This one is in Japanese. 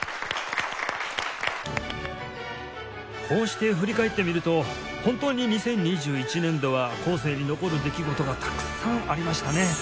こうして振り返ってみると本当に２０２１年度は後世に残る出来事がたくさんありましたね